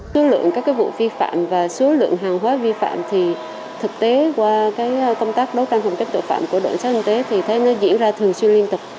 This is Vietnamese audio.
số lượng các vụ vi phạm và số lượng hàng hóa vi phạm thì thực tế qua công tác đấu tranh hồng kết tội phạm của đội xác hành tế thì thấy nó diễn ra thường xuyên liên tục